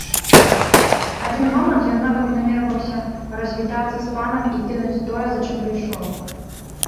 Адзін момант ён нават намерваўся развітацца з панам і кінуць тое, за чым прыйшоў.